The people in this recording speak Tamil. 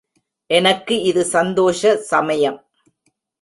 எனக்கு இது சந்தோஷ சமயம்.